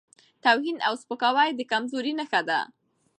توهین او سپکاوی د کمزورۍ نښه ده.